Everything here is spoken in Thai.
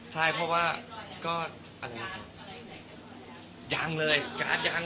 เตรียมใช้ได้เยอะหรือยัง